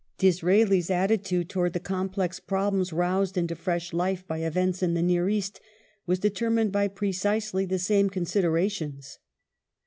Disraeli's question attitude towards the complex problems roused into fresh life by events in the near East was determined by precisely the same con siderations.